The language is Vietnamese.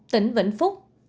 một tỉnh vĩnh phúc